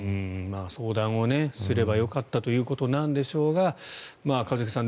相談をすればよかったということなんでしょうが一茂さん